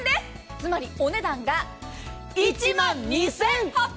つまりお値段が１万２８００円！